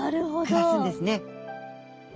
暮らすんですね。